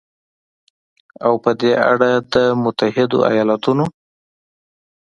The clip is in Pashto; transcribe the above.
او په دې اړه د متحدو ایالتونو